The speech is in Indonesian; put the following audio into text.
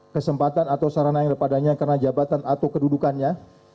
kesempatan atau sarana yang padanya karena jabatan atau kedudukannya